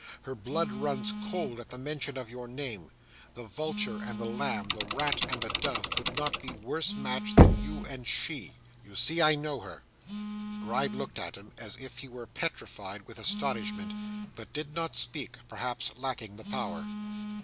Her blood runs cold at the mention of your name; the vulture and the lamb, the rat and the dove, could not be worse matched than you and she. You see I know her.' Gride looked at him as if he were petrified with astonishment, but did not speak; perhaps lacking the power.